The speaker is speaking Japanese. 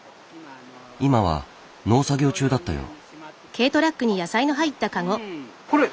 今は農作業中だったよう。